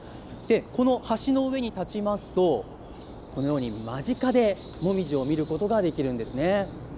この橋の上に立ちますと、このように間近でモミジを見ることができるんですね。